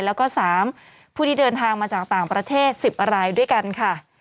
แล้วก็๓ผู้ที่เดินทางมาจากต่างประเทศ๑๐รายด้วยกันค่ะ